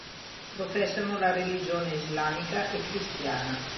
Professano la religione islamica e cristiana.